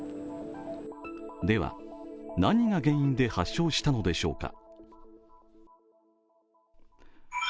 では何が原因で発症したのでしょうか？